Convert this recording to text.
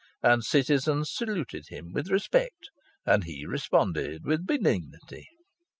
And citizens saluted him with respect and he responded with benignity.